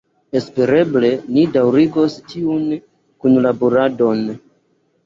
Espereble ni daŭrigos tiun kunlaboradon.